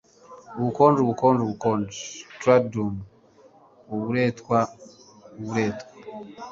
Ubukonje bwubukonje bwubukonje thraldom uburetwa uburetwa